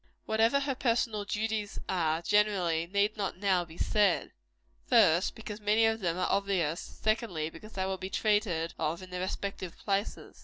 What her personal duties are, generally, need not now be said: first, because many of them are obvious secondly, because they will be treated of in their respective places.